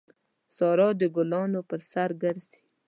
سارا د ګلانو پر سر ګرځي.